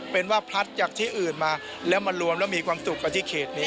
เป็นว่าพลัดจากที่อื่นมาแล้วมารวมแล้วมีความสุขกับที่เขตนี้